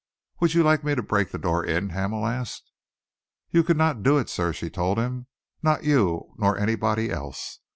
"Would you like me to break the door in?" Hamel asked. "You could not do it, sir," she told him, "not you nor anybody else.